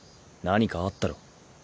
何かあったろ？